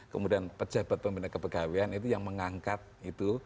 kemudian pejabat pembina kepegawaian itu yang mengangkat itu